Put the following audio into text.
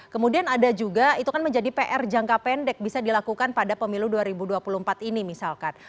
kemudian ada juga itu kan menjadi pr jangka pendek bisa dilakukan pada pemilu dua ribu dua puluh empat ini misalkan